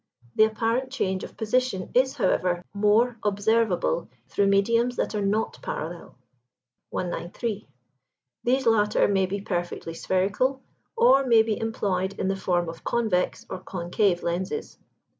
The apparent change of position is, however, more observable through mediums that are not parallel. 193. These latter may be perfectly spherical, or may be employed in the form of convex or concave lenses.